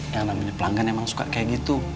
yang namanya pelanggan emang suka kayak gitu